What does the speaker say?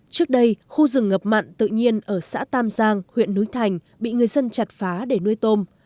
trước đây khu rừng ngập mặn tự nhiên ở xã tam giang huyện núi thành bị người dân chặt phá để nuôi tôm